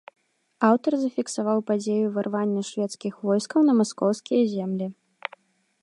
Аўтар зафіксаваў падзеі ўварвання шведскіх войскаў на маскоўскія землі.